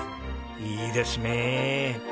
いいですね。